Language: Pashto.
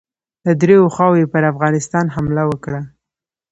د دریو خواوو یې پر افغانستان حمله وکړه.